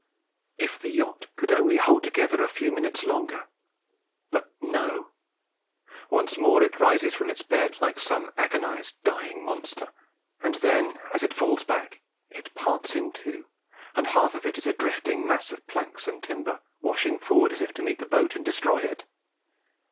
"If the yacht could only hold together a few minutes longer! But no! once more it rises from its bed like some agonised, dying monster, and then as it falls back it parts in two, and half of it is a drifting mass of planks and timber, washing forward as if to meet the boat and destroy it.